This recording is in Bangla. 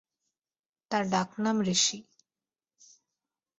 তার ডাক নাম ঋষি।